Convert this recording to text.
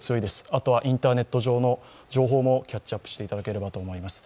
あとインターネットでもキャッチアップしていただければと思います。